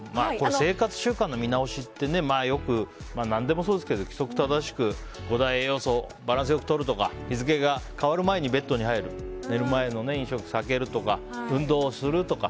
生活習慣の見直しってよく何でもそうですけど規則正しく、５大栄養素をバランスよくとるとか日付が変わる前にベッドに入る寝る前の飲食を避けるとか運動をするとか。